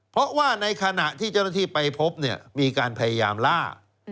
เพราะว่าในขณะที่เจ้าหน้าที่ไปพบเนี่ยมีการพยายามล่า